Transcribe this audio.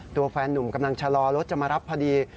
แฟนหนุ่มกำลังชะลอรถจะมารับพอดี